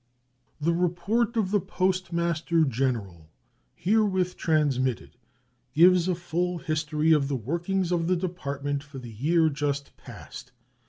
The report of the Postmaster General herewith transmitted gives a full history of the workings of the Department for the year just past.